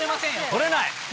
取れない。